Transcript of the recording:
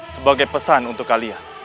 sebagai pesan untuk kalian